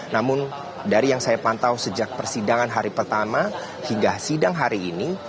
namun dari yang saya pantau sejak persidangan hari pertama hingga sidang hari ini